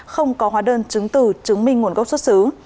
không có hóa đơn chứng từ chứng minh nguồn gốc xuất xứ